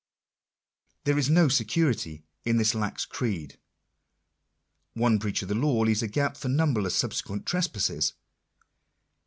There is no security in this lax creed. One breach of the law leaves a gap for numberless subsequent tres passes.